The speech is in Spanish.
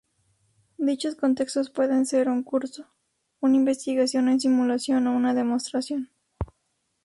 Dichos Contextos pueden ser un curso, una investigación en simulación o una demostración.